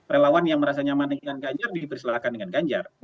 relawan yang merasa nyaman dengan ganjar dipersilahkan dengan ganjar